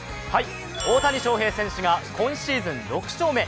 大谷翔平選手が今シーズン６勝目。